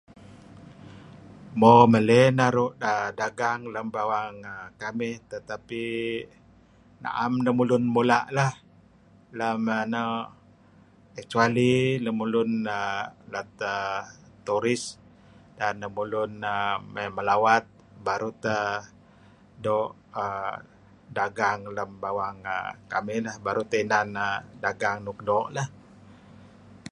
Mo meley naru' dagang lem bawang kamih tetapi a'am lemulun mula' lah. Lem no' . Kecuali lemulun lat tourist da'et lemulun mey melawat baru teh doo' dagang lem bawang kamih neh baru teh inan dagang luk doo'.